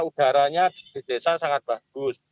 udaranya di desa sangat bagus